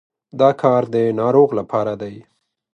دا کار د ناروغ لپاره دی.